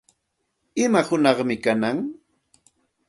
¿Ima hunaqmi kanan?